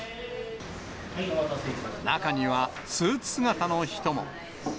中にはスーツ姿の人も。